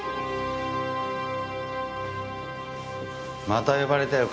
また呼ばれたよ